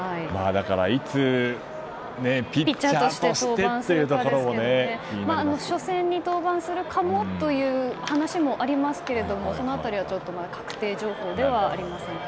いつピッチャーとして初戦に登板するかもという話もありますけどその辺りは、まだ確定情報ではありません。